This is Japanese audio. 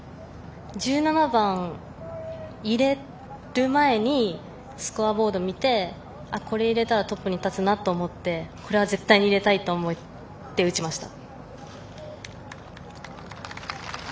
１７番を入れる前にスコアボードを見てこれを入れたらトップに立つなと思ってこれは絶対に入れたいと思って打ちました。